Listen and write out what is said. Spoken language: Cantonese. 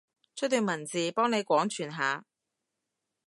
出段文字，幫你廣傳下？